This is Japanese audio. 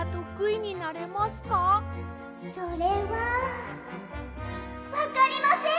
それは。わかりません！